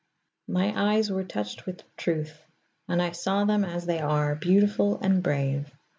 My eyes were touched with Truth, and I saw them as they are, beautiful and brave.